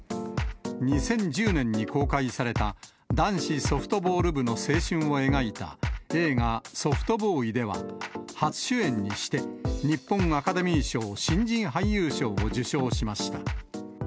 ２０１０年に公開された男子ソフトボール部の青春を描いた映画、ソフトボーイでは、初主演にして、日本アカデミー賞新人俳優賞を受賞しました。